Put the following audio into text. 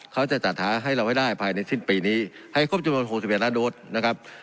เขาจะจัดหาให้เราให้ได้ภายในสิ้นปีนี้ให้ครบจุดมนตร์หกสิบเอ็ดละโดสนะครับ